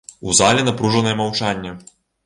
У зале напружанае маўчанне.